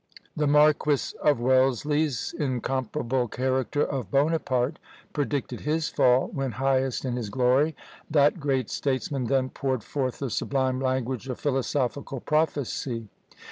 The Marquis of Wellesley's incomparable character of Bonaparte predicted his fall when highest in his glory; that great statesman then poured forth the sublime language of philosophical prophecy.